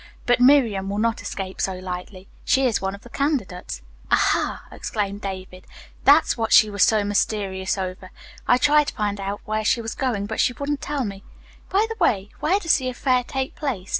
But Miriam will not escape so easily. She is one of the candidates." "Ah, ha!" exclaimed David. "That's what she was so mysterious over. I tried to find out where she was going, but she wouldn't tell me. By the way, where does the affair take place?"